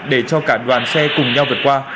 để cho cả đoàn xe cùng nhau vượt qua